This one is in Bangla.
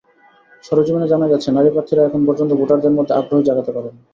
সরেজমিনে জানা গেছে, নারী প্রার্থীরা এখন পর্যন্ত ভোটারদের মধ্যে আগ্রহ জাগাতে পারেনি।